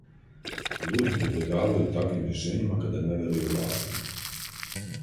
Људи прибегавају таквим решењима када не верују властима.